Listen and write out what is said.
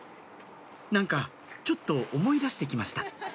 何かちょっと思い出して来ました